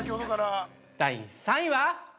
◆第３位は？